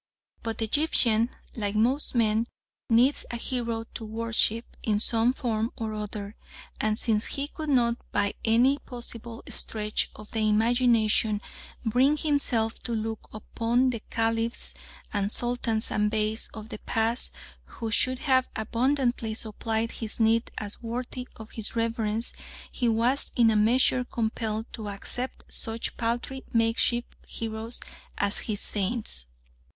But the Egyptian, like most men, needs a hero to worship in some form or other, and since he could not by any possible stretch of the imagination bring himself to look upon the Caliphs and Sultans and Beys of the past who should have abundantly supplied his need as worthy of his reverence, he was in a measure compelled to accept such paltry makeshift heroes as his "saints."